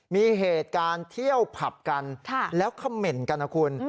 มีเหตุการณ์เที่ยวผับกันแล้วคำเหน่นกันนะคุณ